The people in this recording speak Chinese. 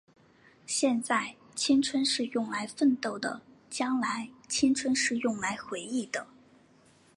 现在，青春是用来奋斗的；将来，青春是用来回忆的。